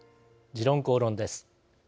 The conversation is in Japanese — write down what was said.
「時論公論」です。